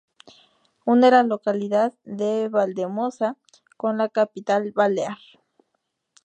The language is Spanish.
Une la localidad de Valldemosa con la capital balear.